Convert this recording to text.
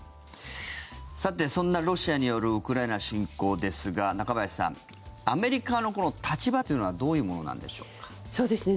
さて、そんなロシアによるウクライナ侵攻ですが、中林さんアメリカのこの立場というのはどういうものなのでしょうか。